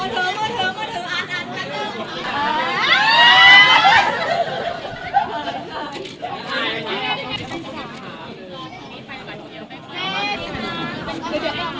เมคร์จะแบบนี้แล้ว